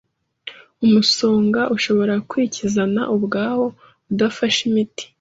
umusonga ushobora kwikizana ubwawo udafashe imiti,